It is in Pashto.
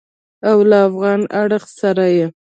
او له افغان اړخ سره یې